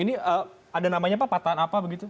ini ada namanya pak patahan apa begitu